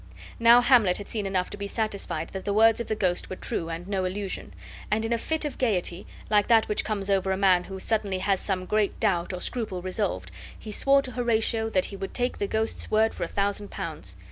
Now Hamlet had seen enough to be satisfied that the words of the ghost were true and no illusion; and in a fit of gaiety, like that which comes over a man who suddenly has some great doubt or scruple resolved, he swore to Horatio that he would take the ghost's word for a thousand pounds.